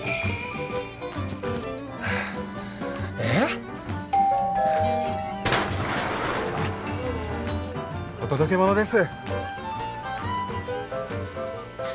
えっ？お届け物です。